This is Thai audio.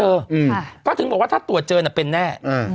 เพราะถึงบอกว่าถ้าตรวจเจอน่ะเป็นแน่